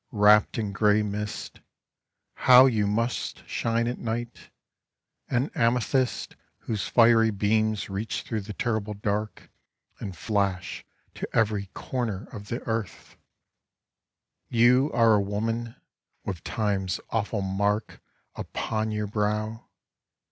Wrapped in grey mist, How you must shine at night, an amethyst Whose fiery beams reach through the terrible dark And flash to every comer of the earth I You are a woman, with Time's awful mark Upon your brow.